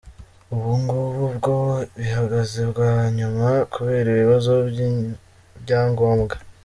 Ubu ngubu bwo bihagaze bwa nyuma kubera ibibazo by’ibyangombwa.